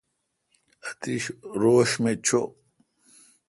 اتش روݭ می چو۔